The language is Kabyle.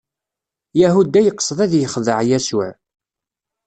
Yahuda yeqsed ad ixdeɛ Yasuɛ.